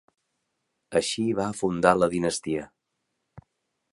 Així va fundar la dinastia.